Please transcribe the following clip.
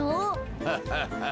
ハハハハ。